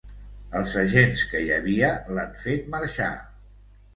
Els agents que hi havia l’han fet marxar.